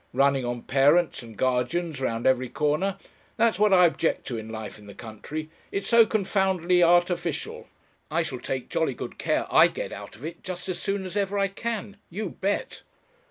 Running on parents and guardians round every corner. That's what I object to in life in the country: it's so confoundedly artificial. I shall take jolly good care I get out of it just as soon as ever I can. You bet!"